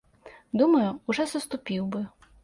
Думаю, ужо саступіў бы.